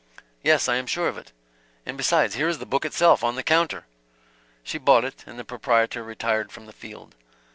"Yes, I am sure of it. And besides, here is the book itself, on the counter." She bought it and the proprietor retired from the field.